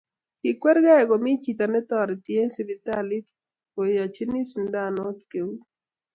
kikwerkei komi chito netoreti eng sipitali koyochini sandanot keut